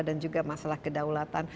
dan juga masalah kedaulatan